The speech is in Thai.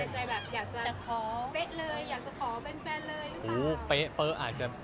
ใจแบบอยากจะขอเป๊ะเลยอยากจะขอแฟนเลยหรือเปล่า